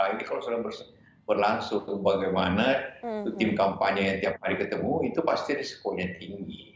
ini kalau sudah berlangsung bagaimana tim kampanye yang tiap hari ketemu itu pasti risikonya tinggi